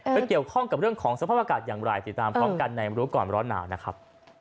เกี่ยวข้องกับเรื่องของสภาพอากาศอย่างไรติดตามพร้อมกันในรู้ก่อนร้อนหนาวนะครับ